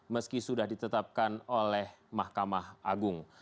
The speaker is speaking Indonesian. meski sudah ditetapkan oleh mahkamah agung